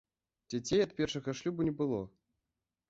Дзяцей ад першага шлюбу не было.